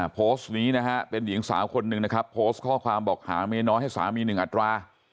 โพสต์นี้นะฮะเป็นหญิงสาวคนหนึ่งนะครับโพสต์ข้อความบอกหาเมียน้อยให้สามี๑อัตรา